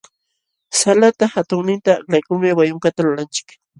Salata hatunninta aklaykulmi wayunkata lulanchik.